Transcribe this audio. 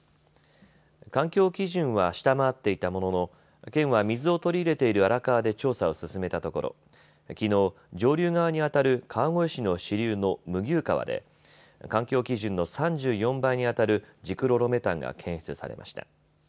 環境基準は下回っていたものの県は水を取り入れている荒川で調査を進めたところきのう、上流側にあたる川越市の支流の麦生川で環境基準の３４倍にあたるジクロロメタンが検出されました。